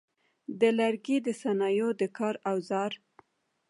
د لرګي د صنایعو د کار اوزار: